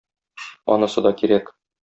Анысы да кирәк.